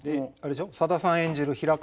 さださんが演じる平川